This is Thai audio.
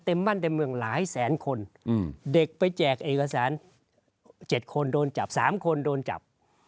มั่นเต็มเมืองหลายแสนคนเด็กไปแจกเอกสาร๗คนโดนจับ๓คนโดนจับ